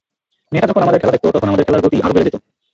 মেয়েটা যখন আমাদের খেলা দেখত, তখন আমাদের খেলার গতি আরও বেড়ে যেত।